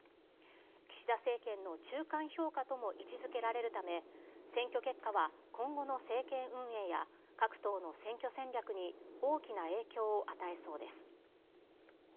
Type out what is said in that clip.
岸田政権の中間評価とも位置づけられるため、選挙結果は今後の政権運営や、各党の選挙戦略に大きな影響を与えそうです。